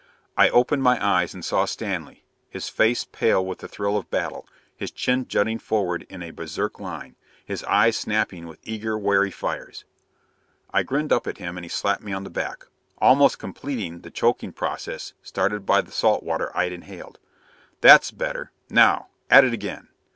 I opened my eyes and saw Stanley, his face pale with the thrill of battle, his chin jutting forward in a berserk line, his eyes snapping with eager, wary fires. I grinned up at him and he slapped me on the back almost completing the choking process started by the salt water I'd inhaled. "That's better. Now at it again!"